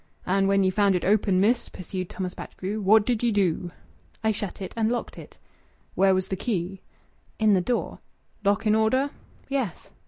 "And when you found it open, miss," pursued Thomas Batchgrew, "what did ye do?" "I shut it and locked it." "Where was the key?" "In the door." "Lock in order?" "Yes."